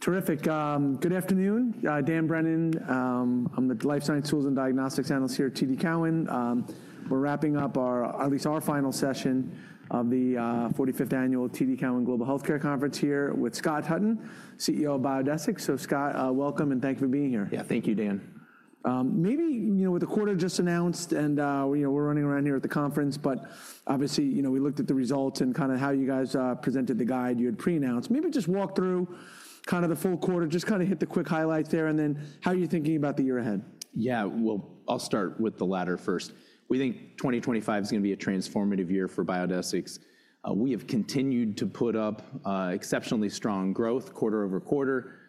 Terrific. Good afternoon, Dan Brennan. I'm the Life Science Tools and Diagnostics Analyst here at TD Cowen. We're wrapping up, at least our final session of the 45th Annual TD Cowen Global Health Care Conference here with Scott Hutton, CEO of Biodesix Robin Cowie. So Scott, welcome and thank you for being here. Yeah, thank you, Dan. Maybe with the quarter just announced and we're running around here at the conference, but obviously we looked at the results and kind of how you guys presented the guide you had pre-announced. Maybe just walk through kind of the full quarter, just kind of hit the quick highlights there and then how are you thinking about the year ahead? Yeah, well, I'll start with the latter first. We think 2025 is going to be a transformative year for Biodesix. We have continued to put up exceptionally strong growth quarter over quarter,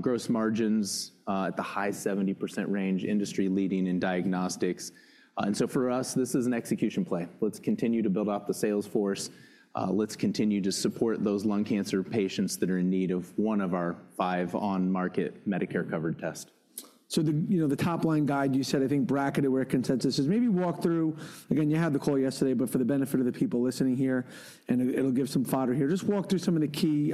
gross margins at the high 70% range, industry leading in diagnostics. For us, this is an execution play. Let's continue to build up the sales force. Let's continue to support those lung cancer patients that are in need of one of our five on-market Medicare covered tests. The top line guide you said, I think bracketed where consensus is. Maybe walk through, again, you had the call yesterday, but for the benefit of the people listening here, and it'll give some fodder here, just walk through some of the key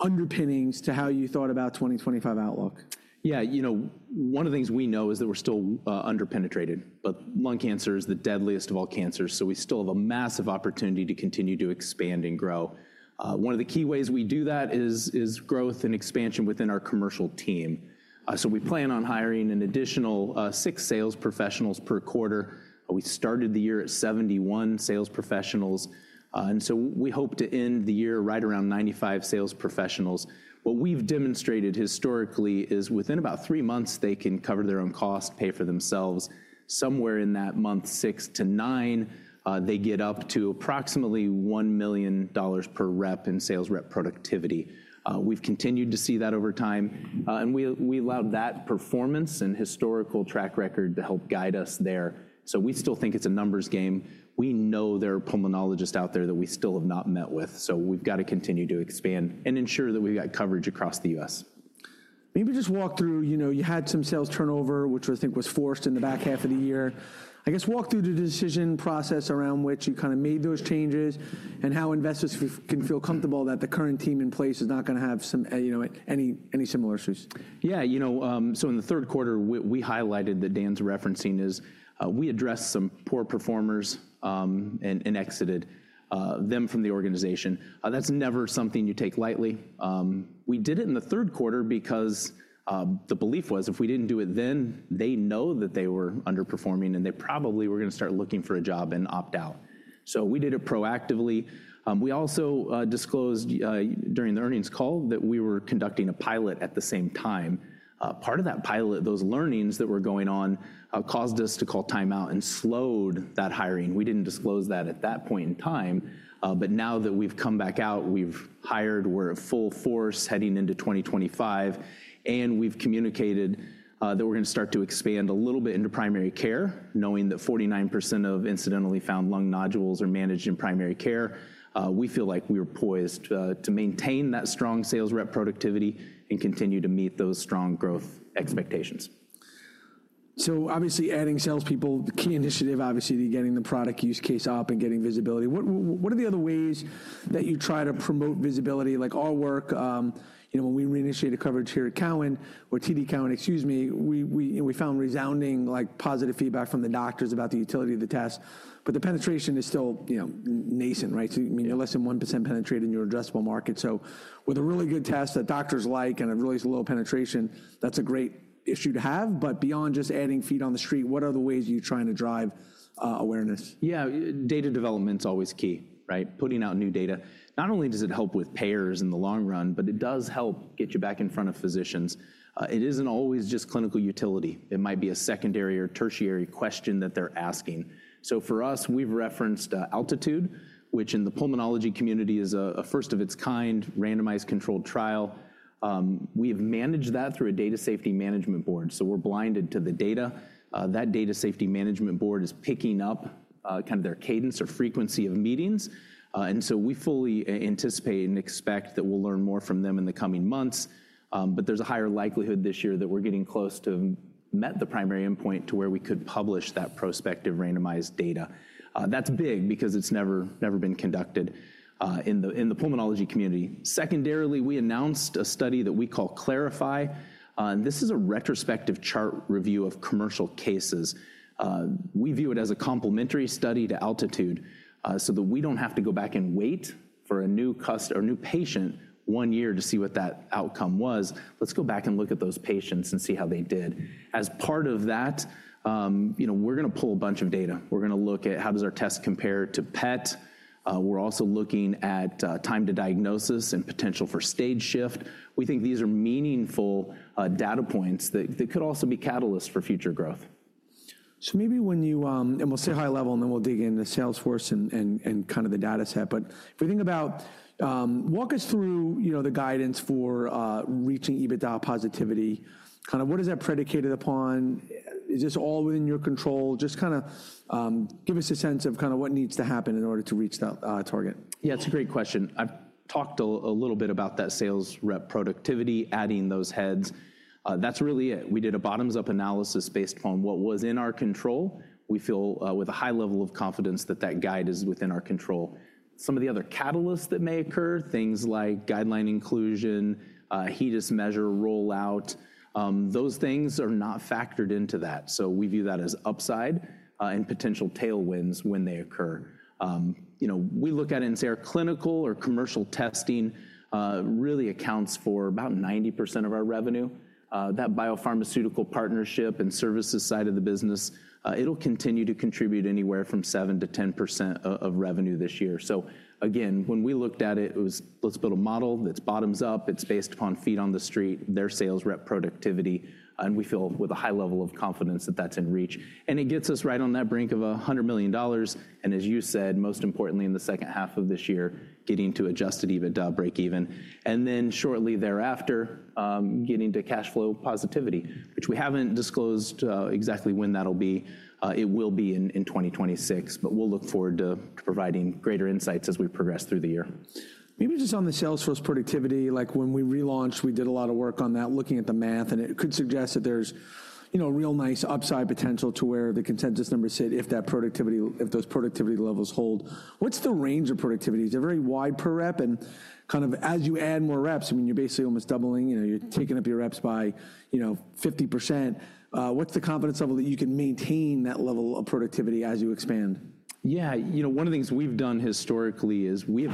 underpinnings to how you thought about 2025 outlook. Yeah, you know one of the things we know is that we're still underpenetrated, but lung cancer is the deadliest of all cancers. We still have a massive opportunity to continue to expand and grow. One of the key ways we do that is growth and expansion within our commercial team. We plan on hiring an additional six sales professionals per quarter. We started the year at 71 sales professionals, and we hope to end the year right around 95 sales professionals. What we've demonstrated historically is within about three months they can cover their own costs, pay for themselves. Somewhere in that month six to nine, they get up to approximately $1 million per rep in sales rep productivity. We've continued to see that over time. We allowed that performance and historical track record to help guide us there. We still think it's a numbers game. We know there are pulmonologists out there that we still have not met with. We've got to continue to expand and ensure that we've got coverage across the U.S. Maybe just walk through, you had some sales turnover, which I think was forced in the back half of the year. I guess walk through the decision process around which you kind of made those changes and how investors can feel comfortable that the current team in place is not going to have any similar issues. Yeah, you know so in the third quarter, we highlighted that Dan's referencing is we addressed some poor performers and exited them from the organization. That's never something you take lightly. We did it in the third quarter because the belief was if we didn't do it then, they know that they were underperforming and they probably were going to start looking for a job and opt out. We did it proactively. We also disclosed during the earnings call that we were conducting a pilot at the same time. Part of that pilot, those learnings that were going on caused us to call timeout and slowed that hiring. We didn't disclose that at that point in time. Now that we've come back out, we've hired, we're at full force heading into 2025. We've communicated that we're going to start to expand a little bit into primary care, knowing that 49% of incidentally found lung nodules are managed in primary care. We feel like we are poised to maintain that strong sales rep productivity and continue to meet those strong growth expectations. Obviously adding salespeople, the key initiative obviously to getting the product use case up and getting visibility. What are the other ways that you try to promote visibility? Like our work, when we reinitiated coverage here at Cowie, or TD Cowen, excuse me, we found resounding positive feedback from the doctors about the utility of the test. The penetration is still nascent, right? Less than 1% penetrated in your addressable market. With a really good test that doctors like and a really low penetration, that's a great issue to have. Beyond just adding feet on the street, what are the ways you're trying to drive awareness? Yeah, data development is always key, right? Putting out new data. Not only does it help with payers in the long run, but it does help get you back in front of physicians. It isn't always just clinical utility. It might be a secondary or tertiary question that they're asking. For us, we've referenced Altitude, which in the pulmonology community is a first-of-its-kind randomized controlled trial. We have managed that through a data safety management board. We're blinded to the data. That data safety management board is picking up kind of their cadence or frequency of meetings. We fully anticipate and expect that we'll learn more from them in the coming months. There's a higher likelihood this year that we're getting close to met the primary endpoint to where we could publish that prospective randomized data. That's big because it's never been conducted in the pulmonology community. Secondarily, we announced a study that we call Clarify. This is a retrospective chart review of commercial cases. We view it as a complementary study to Altitude so that we don't have to go back and wait for a new patient one year to see what that outcome was. Let's go back and look at those patients and see how they did. As part of that, we're going to pull a bunch of data. We're going to look at how does our test compare to PET. We're also looking at time to diagnosis and potential for stage shift. We think these are meaningful data points that could also be catalysts for future growth. Maybe when you, and we'll stay high level and then we'll dig into sales force and kind of the data set. If we think about, walk us through the guidance for reaching EBITDA positivity. Kind of what is that predicated upon? Is this all within your control? Just kind of give us a sense of kind of what needs to happen in order to reach that target. Yeah, it's a great question. I've talked a little bit about that sales rep productivity, adding those heads. That's really it. We did a bottoms-up analysis based on what was in our control. We feel with a high level of confidence that that guide is within our control. Some of the other catalysts that may occur, things like guideline inclusion, HEDIS measure rollout, those things are not factored into that. We view that as upside and potential tailwinds when they occur. We look at it and say our clinical or commercial testing really accounts for about 90% of our revenue. That biopharmaceutical partnership and services side of the business, it'll continue to contribute anywhere from 7%-10% of revenue this year. Again, when we looked at it, it was, let's build a model that's bottoms up. It's based upon feet on the street, their sales rep productivity. We feel with a high level of confidence that that's in reach. It gets us right on that brink of $100 million. As you said, most importantly in the second half of this year, getting to adjusted EBITDA break even. Shortly thereafter, getting to cash flow positivity, which we haven't disclosed exactly when that'll be. It will be in 2026, but we'll look forward to providing greater insights as we progress through the year. Maybe just on the sales force productivity, like when we relaunched, we did a lot of work on that, looking at the math, and it could suggest that there's a real nice upside potential to where the consensus numbers sit if those productivity levels hold. What's the range of productivity? Is it very wide per rep? And kind of as you add more reps, I mean, you're basically almost doubling, you're taking up your reps by 50%. What's the confidence level that you can maintain that level of productivity as you expand? Yeah, you know one of the things we've done historically is we've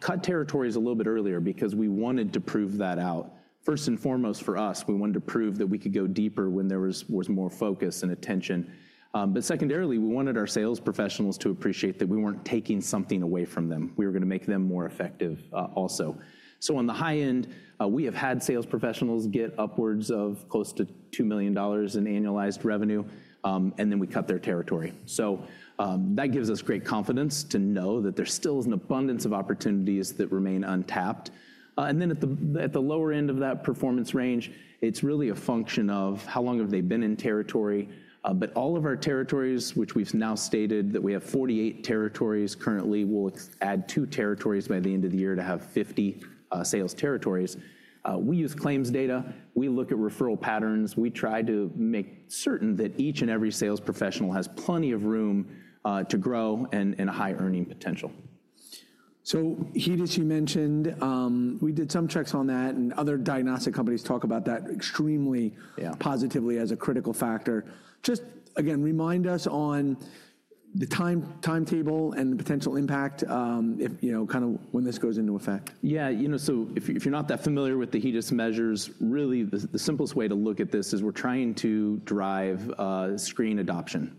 cut territories a little bit earlier because we wanted to prove that out. First and foremost for us, we wanted to prove that we could go deeper when there was more focus and attention. Secondarily, we wanted our sales professionals to appreciate that we weren't taking something away from them. We were going to make them more effective also. On the high end, we have had sales professionals get upwards of close to $2 million in annualized revenue, and then we cut their territory. That gives us great confidence to know that there still is an abundance of opportunities that remain untapped. At the lower end of that performance range, it's really a function of how long have they been in territory. All of our territories, which we've now stated that we have 48 territories currently, we'll add two territories by the end of the year to have 50 sales territories. We use claims data. We look at referral patterns. We try to make certain that each and every sales professional has plenty of room to grow and a high earning potential. HEDIS, you mentioned we did some checks on that and other diagnostic companies talk about that extremely positively as a critical factor. Just again, remind us on the timetable and the potential impact kind of when this goes into effect. Yeah, you know so if you're not that familiar with the HEDIS measures, really the simplest way to look at this is we're trying to drive screen adoption.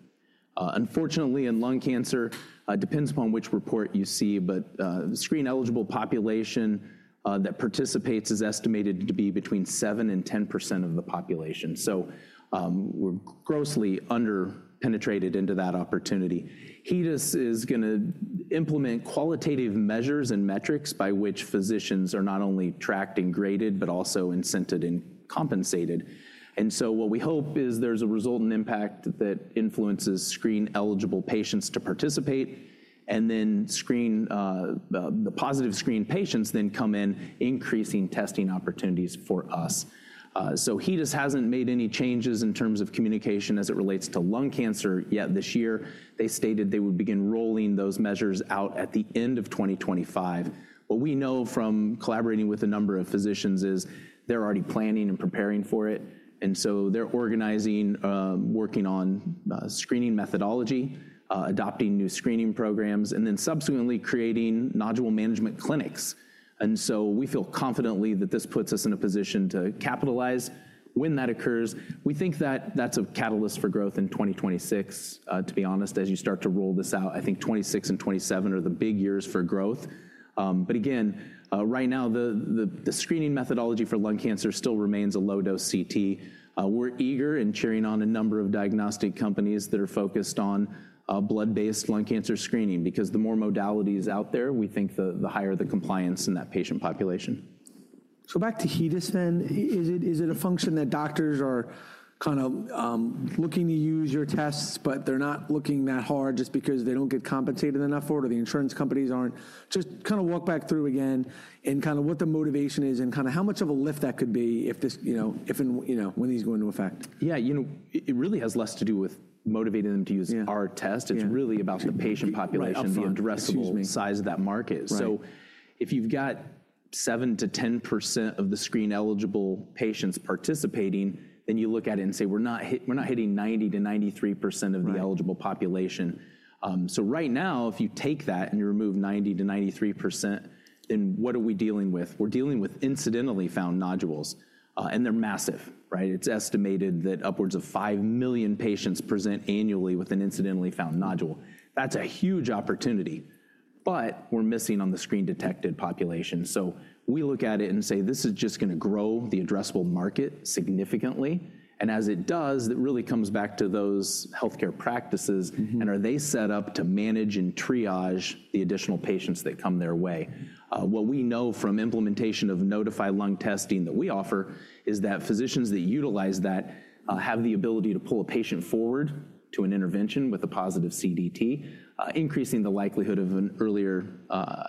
Unfortunately, in lung cancer, it depends upon which report you see, but the screen eligible population that participates is estimated to be between 7% and 10% of the population. So we're grossly underpenetrated into that opportunity. HEDIS is going to implement qualitative measures and metrics by which physicians are not only tracked and graded, but also incented and compensated. What we hope is there's a resultant impact that influences screen eligible patients to participate. The positive screen patients then come in, increasing testing opportunities for us. HEDIS hasn't made any changes in terms of communication as it relates to lung cancer yet this year. They stated they would begin rolling those measures out at the end of 2025. What we know from collaborating with a number of physicians is they're already planning and preparing for it. They're organizing, working on screening methodology, adopting new screening programs, and subsequently creating nodule management clinics. We feel confidently that this puts us in a position to capitalize when that occurs. We think that that's a catalyst for growth in 2026, to be honest, as you start to roll this out. I think 2026 and 2027 are the big years for growth. Right now, the screening methodology for lung cancer still remains a low-dose CT. We're eager and cheering on a number of diagnostic companies that are focused on blood-based lung cancer screening because the more modalities out there, we think the higher the compliance in that patient population. Back to HEDIS then, is it a function that doctors are kind of looking to use your tests, but they're not looking that hard just because they don't get compensated enough for it or the insurance companies aren't? Just kind of walk back through again and kind of what the motivation is and kind of how much of a lift that could be if this when these go into effect. Yeah, you know it really has less to do with motivating them to use our test. It's really about the patient population and the addressable size of that market. If you've got 7%-10% of the screen eligible patients participating, then you look at it and say, we're not hitting 90%-93% of the eligible population. Right now, if you take that and you remove 90%-93%, then what are we dealing with? We're dealing with incidentally found nodules. They're massive. It's estimated that upwards of 5 million patients present annually with an incidentally found nodule. That's a huge opportunity. We're missing on the screen detected population. We look at it and say, this is just going to grow the addressable market significantly. As it does, it really comes back to those healthcare practices. Are they set up to manage and triage the additional patients that come their way? What we know from implementation of Nodify Lung testing that we offer is that physicians that utilize that have the ability to pull a patient forward to an intervention with a positive CDT, increasing the likelihood of an earlier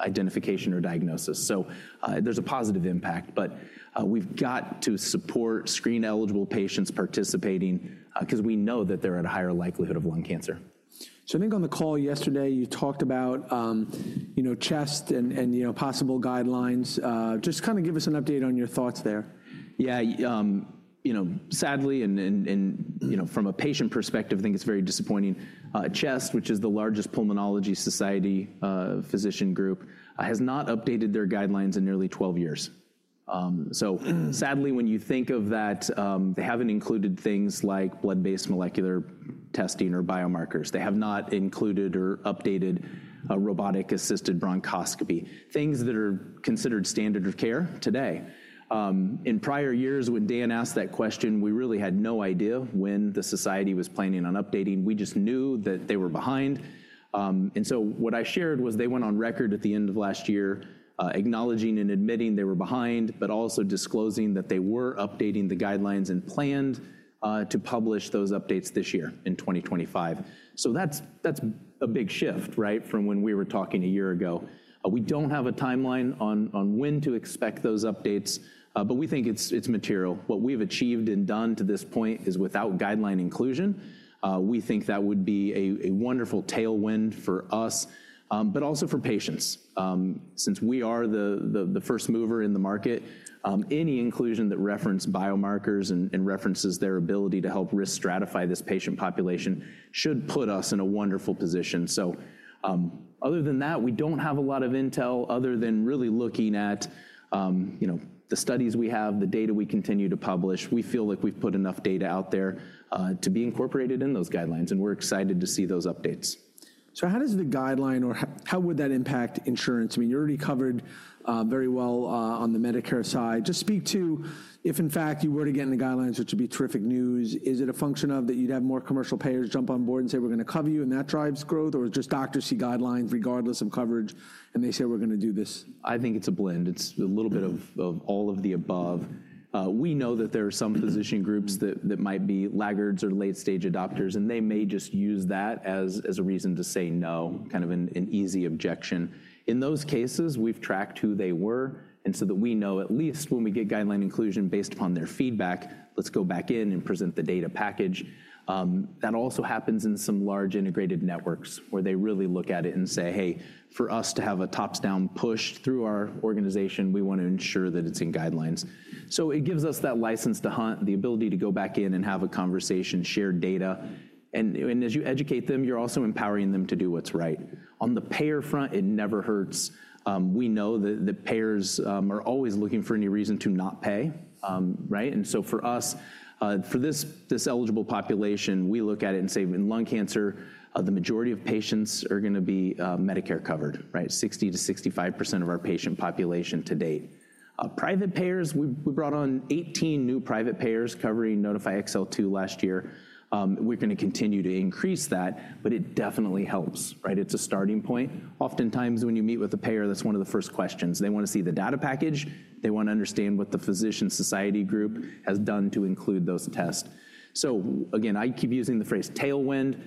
identification or diagnosis. There is a positive impact, but we have to support screen eligible patients participating because we know that they are at a higher likelihood of lung cancer. I think on the call yesterday, you talked about CHEST and possible guidelines. Just kind of give us an update on your thoughts there. Yeah, sadly, and from a patient perspective, I think it's very disappointing. CHEST, which is the largest pulmonology society physician group, has not updated their guidelines in nearly 12 years. Sadly, when you think of that, they haven't included things like blood-based molecular testing or biomarkers. They have not included or updated robotic-assisted bronchoscopy, things that are considered standard of care today. In prior years, when Dan asked that question, we really had no idea when the society was planning on updating. We just knew that they were behind. What I shared was they went on record at the end of last year acknowledging and admitting they were behind, but also disclosing that they were updating the guidelines and planned to publish those updates this year in 2025. That's a big shift from when we were talking a year ago. We don't have a timeline on when to expect those updates, but we think it's material. What we've achieved and done to this point is without guideline inclusion. We think that would be a wonderful tailwind for us, but also for patients. Since we are the first mover in the market, any inclusion that referenced biomarkers and references their ability to help risk stratify this patient population should put us in a wonderful position. Other than that, we don't have a lot of intel other than really looking at the studies we have, the data we continue to publish. We feel like we've put enough data out there to be incorporated in those guidelines, and we're excited to see those updates. How does the guideline or how would that impact insurance? I mean, you already covered very well on the Medicare side. Just speak to if in fact you were to get in the guidelines, which would be terrific news, is it a function of that you'd have more commercial payers jump on board and say, we're going to cover you and that drives growth? Or is just doctors see guidelines regardless of coverage and they say, we're going to do this? I think it's a blend. It's a little bit of all of the above. We know that there are some physician groups that might be laggards or late-stage adopters, and they may just use that as a reason to say no, kind of an easy objection. In those cases, we've tracked who they were. And so that we know at least when we get guideline inclusion based upon their feedback, let's go back in and present the data package. That also happens in some large integrated networks where they really look at it and say, hey, for us to have a top-down push through our organization, we want to ensure that it's in guidelines. It gives us that license to hunt, the ability to go back in and have a conversation, share data. As you educate them, you're also empowering them to do what's right. On the payer front, it never hurts. We know that the payers are always looking for any reason to not pay. For us, for this eligible population, we look at it and say, in lung cancer, the majority of patients are going to be Medicare covered, 60%-65% of our patient population to date. Private payers, we brought on 18 new private payers covering Nodify XL2 last year. We're going to continue to increase that, but it definitely helps. It's a starting point. Oftentimes when you meet with a payer, that's one of the first questions. They want to see the data package. They want to understand what the physician society group has done to include those tests. I keep using the phrase tailwind.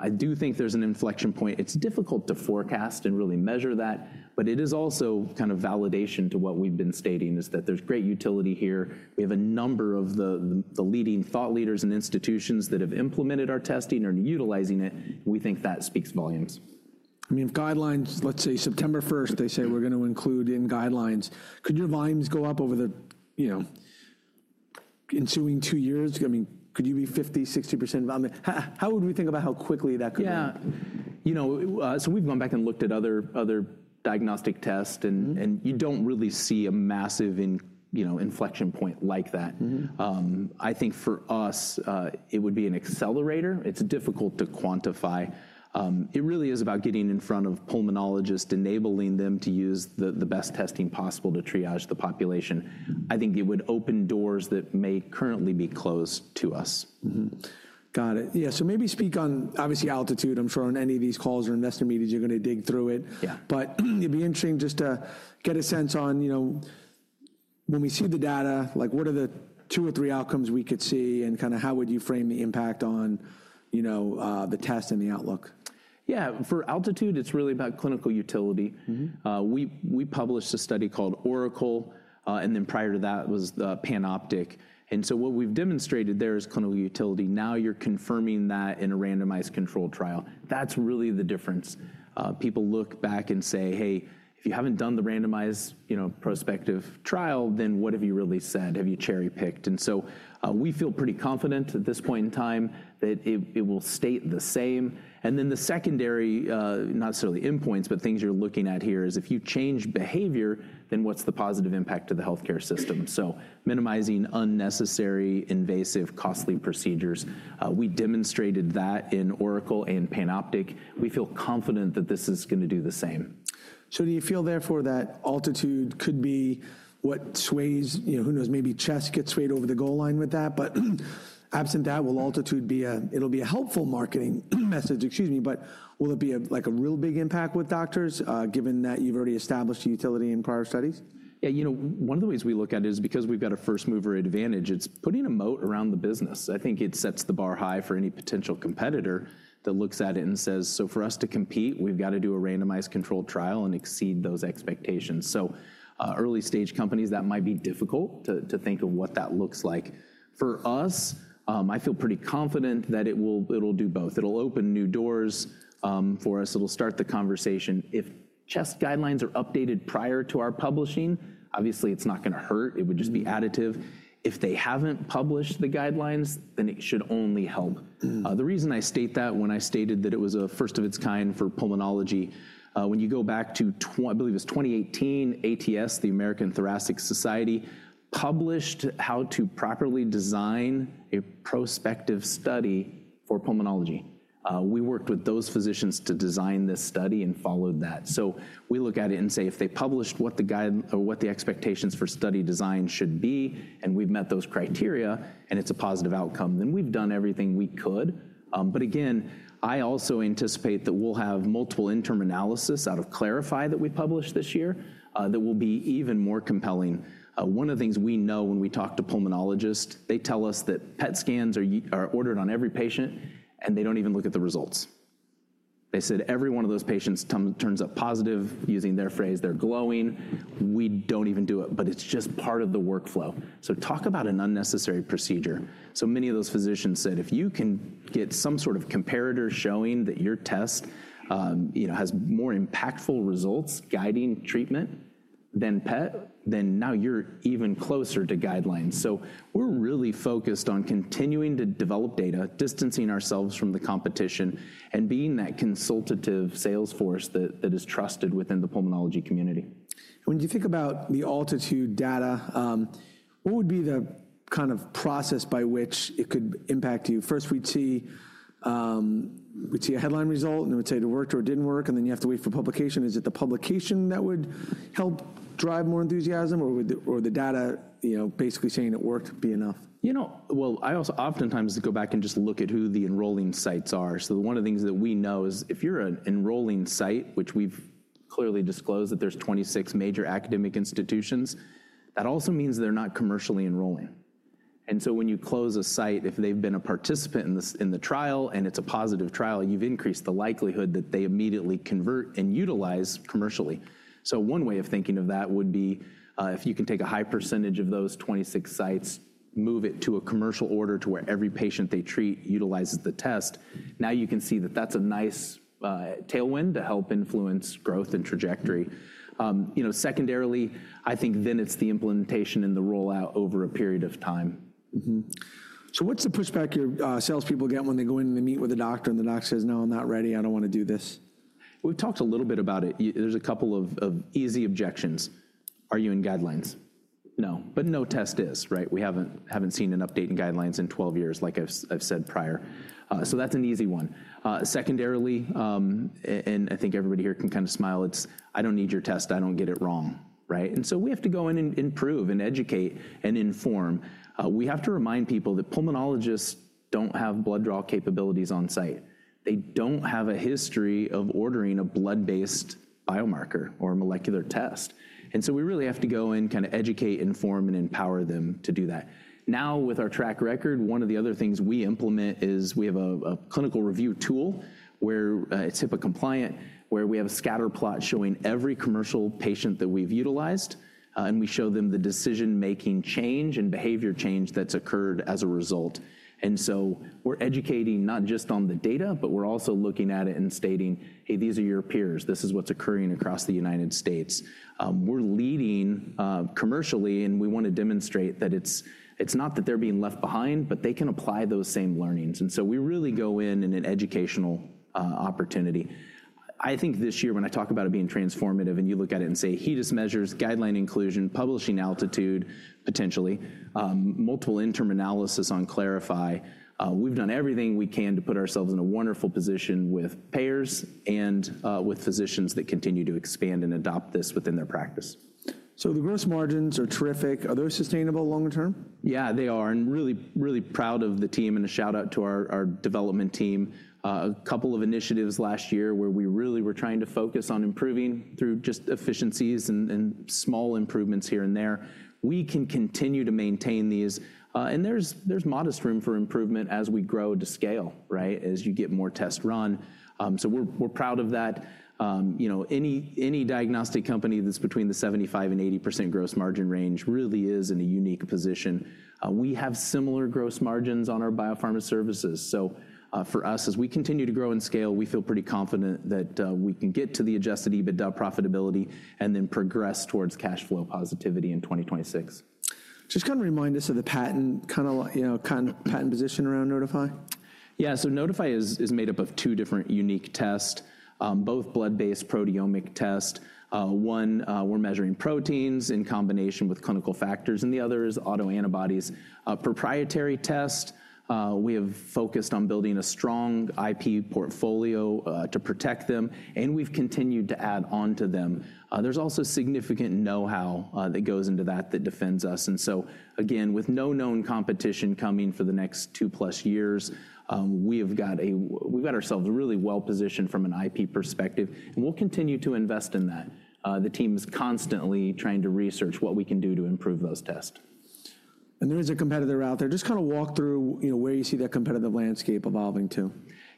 I do think there's an inflection point. It's difficult to forecast and really measure that, but it is also kind of validation to what we've been stating is that there's great utility here. We have a number of the leading thought leaders and institutions that have implemented our testing and are utilizing it. We think that speaks volumes. I mean, if guidelines, let's say September 1, they say we're going to include in guidelines, could your volumes go up over the ensuing two years? I mean, could you be 50%, 60%? How would we think about how quickly that could happen? Yeah. We've gone back and looked at other diagnostic tests, and you don't really see a massive inflection point like that. I think for us, it would be an accelerator. It's difficult to quantify. It really is about getting in front of pulmonologists, enabling them to use the best testing possible to triage the population. I think it would open doors that may currently be closed to us. Got it. Yeah. Maybe speak on, obviously, Altitude. I'm sure on any of these calls or investor meetings, you're going to dig through it. It'd be interesting just to get a sense on when we see the data, what are the two or three outcomes we could see and kind of how would you frame the impact on the test and the outlook? Yeah. For Altitude, it's really about clinical utility. We published a study called Oracle, and then prior to that was the Panoptic. What we've demonstrated there is clinical utility. Now you're confirming that in a randomized controlled trial. That's really the difference. People look back and say, hey, if you haven't done the randomized prospective trial, then what have you really said? Have you cherry-picked? We feel pretty confident at this point in time that it will state the same. The secondary, not necessarily endpoints, but things you're looking at here is if you change behavior, then what's the positive impact to the healthcare system? Minimizing unnecessary, invasive, costly procedures. We demonstrated that in Oracle and Panoptic. We feel confident that this is going to do the same. Do you feel therefore that Altitude could be what sways? Who knows? Maybe CHEST gets swayed over the goal line with that. Absent that, will Altitude be a helpful marketing message? Excuse me, but will it be like a real big impact with doctors given that you've already established utility in prior studies? Yeah. You know, one of the ways we look at it is because we've got a first mover advantage. It's putting a moat around the business. I think it sets the bar high for any potential competitor that looks at it and says, for us to compete, we've got to do a randomized controlled trial and exceed those expectations. Early-stage companies, that might be difficult to think of what that looks like. For us, I feel pretty confident that it will do both. It'll open new doors for us. It'll start the conversation. If CHEST guidelines are updated prior to our publishing, obviously it's not going to hurt. It would just be additive. If they haven't published the guidelines, then it should only help. The reason I state that when I stated that it was a first of its kind for pulmonology, when you go back to, I believe it was 2018, ATS, the American Thoracic Society, published how to properly design a prospective study for pulmonology. We worked with those physicians to design this study and followed that. We look at it and say, if they published what the expectations for study design should be and we've met those criteria and it's a positive outcome, then we've done everything we could. I also anticipate that we'll have multiple interim analysis out of Clarify that we published this year that will be even more compelling. One of the things we know when we talk to pulmonologists, they tell us that PET scans are ordered on every patient and they don't even look at the results. They said every one of those patients turns up positive, using their phrase, they're glowing. We don't even do it, but it's just part of the workflow. Talk about an unnecessary procedure. So many of those physicians said, if you can get some sort of comparator showing that your test has more impactful results guiding treatment than PET, then now you're even closer to guidelines. We're really focused on continuing to develop data, distancing ourselves from the competition, and being that consultative sales force that is trusted within the pulmonology community. When you think about the Altitude data, what would be the kind of process by which it could impact you? First, we'd see a headline result and we'd say it worked or it didn't work, and then you have to wait for publication. Is it the publication that would help drive more enthusiasm or would the data basically saying it worked be enough? You know, I also oftentimes go back and just look at who the enrolling sites are. So one of the things that we know is if you're an enrolling site, which we've clearly disclosed that there's 26 major academic institutions, that also means they're not commercially enrolling. And so when you close a site, if they've been a participant in the trial and it's a positive trial, you've increased the likelihood that they immediately convert and utilize commercially. So one way of thinking of that would be if you can take a high percentage of those 26 sites, move it to a commercial order to where every patient they treat utilizes the test. Now you can see that that's a nice tailwind to help influence growth and trajectory. Secondarily, I think then it's the implementation and the rollout over a period of time. What's the perspective salespeople get when they go in and they meet with a doctor and the doc says, no, I'm not ready, I don't want to do this? We've talked a little bit about it. There's a couple of easy objections. Are you in guidelines? No, but no test is, right? We haven't seen an update in guidelines in 12 years, like I've said prior. That's an easy one. Secondarily, and I think everybody here can kind of smile, it's, I don't need your test, I don't get it wrong, right? We have to go in and improve and educate and inform. We have to remind people that pulmonologists don't have blood draw capabilities on site. They don't have a history of ordering a blood-based biomarker or a molecular test. We really have to go in, kind of educate, inform, and empower them to do that. Now, with our track record, one of the other things we implement is we have a clinical review tool where it's HIPAA compliant, where we have a scatter plot showing every commercial patient that we've utilized, and we show them the decision-making change and behavior change that's occurred as a result. We're educating not just on the data, but we're also looking at it and stating, hey, these are your peers. This is what's occurring across the United States. We're leading commercially, and we want to demonstrate that it's not that they're being left behind, but they can apply those same learnings. We really go in in an educational opportunity. I think this year when I talk about it being transformative and you look at it and say, HEDIS measures, guideline inclusion, publishing Altitude potentially, multiple interim analysis on Clarify, we've done everything we can to put ourselves in a wonderful position with payers and with physicians that continue to expand and adopt this within their practice. The gross margins are terrific. Are those sustainable longer term? Yeah, they are. I am really, really proud of the team and a shout out to our development team. A couple of initiatives last year where we really were trying to focus on improving through just efficiencies and small improvements here and there. We can continue to maintain these. There is modest room for improvement as we grow to scale, as you get more tests run. We are proud of that. Any diagnostic company that is between the 75%-80% gross margin range really is in a unique position. We have similar gross margins on our biopharma services. For us, as we continue to grow and scale, we feel pretty confident that we can get to the adjusted EBITDA profitability and then progress towards cash flow positivity in 2026. Just kind of remind us of the patent position around Nodify. Yeah. Nodify is made up of two different unique tests, both blood-based proteomic tests. One, we're measuring proteins in combination with clinical factors, and the other is autoantibodies. A proprietary test, we have focused on building a strong IP portfolio to protect them, and we've continued to add on to them. There is also significant know-how that goes into that that defends us. Again, with no known competition coming for the next two-plus years, we have got ourselves really well positioned from an IP perspective, and we'll continue to invest in that. The team is constantly trying to research what we can do to improve those tests. There is a competitor out there. Just kind of walk through where you see that competitive landscape evolving to.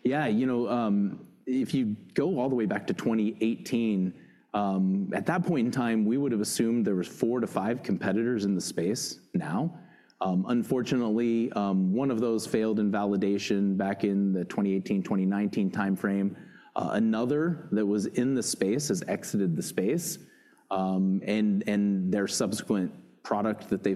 Yeah. You know, if you go all the way back to 2018, at that point in time, we would have assumed there were four to five competitors in the space now. Unfortunately, one of those failed in validation back in the 2018, 2019 timeframe. Another that was in the space has exited the space, and their subsequent product that they.